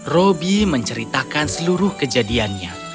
robi menceritakan seluruh kejadiannya